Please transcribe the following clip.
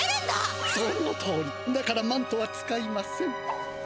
そのとおりだからマントは使いません。